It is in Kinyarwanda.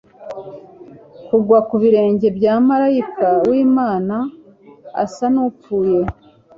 kugwa ku birenge bya marayika w'Imana, asa n'upfuye,